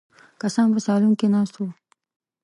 کسان په سالون کې ناست وو.